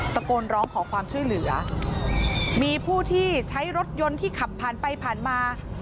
ตะโกนร้องขอความช่วยเหลือมีผู้ที่ใช้รถยนต์ที่ขับผ่านไปผ่านมา